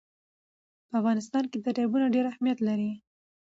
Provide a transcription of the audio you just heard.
په افغانستان کې دریابونه ډېر اهمیت لري.